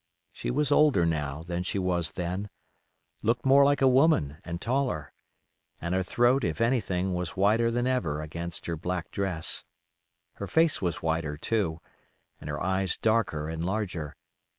She was older now than she was then; looked more a woman and taller; and her throat if anything was whiter than ever against her black dress; her face was whiter too, and her eyes darker and larger.